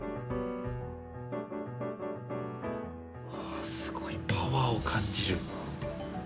わあすごいパワーを感じる。